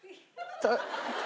あっ！